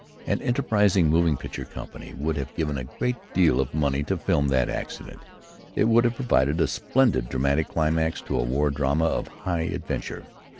An enterprising moving picture company would have given a great deal of money to film that accident. It would have provided a splendid dramatic climax to a war drama of high adventure.